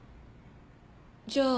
じゃあ。